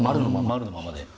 丸のままで？